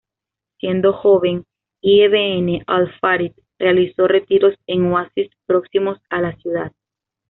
Siendo joven, Ibn al-Farid realizó retiros en oasis próximos a la ciudad.